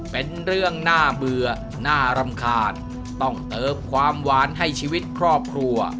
เป็นเรื่องน่าเบื่อน่ารำคาญต้องเติบความหวานให้ชีวิตครอบครัว